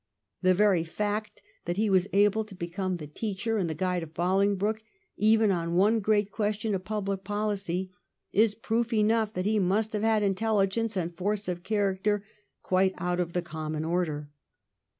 The very fact that he was able to become the teacher and the guide of Bolingbroke, even on one great question of public policy, is proof enough that he must have had intelligence and force of character quite out of the common order.